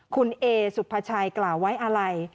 คุณเอสุภาชัยกล่าวไว้อะไร